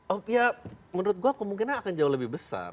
oh ya menurut gue kemungkinan akan jauh lebih besar